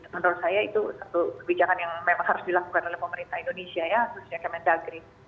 menurut saya itu satu kebijakan yang memang harus dilakukan oleh pemerintah indonesia ya khususnya kemendagri